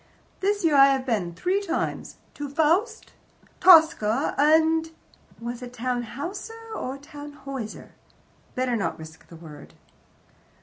"This year I have been three times to FAUST, TOSCA, and " Was it "Tannhouser" or "Tannhoyser"? Better not risk the word.